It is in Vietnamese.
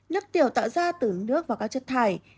lớp tiểu tạo ra từ nước và các chất thải